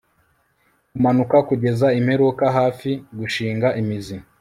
Kumanuka kugeza imperuka hafi gushinga imizi